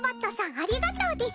ありがとうです。